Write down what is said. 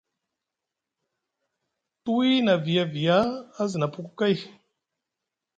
Tuwi na viya viya a zina puku kay.